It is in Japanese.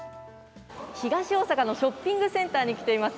東大阪のショッピングセンターに来ています。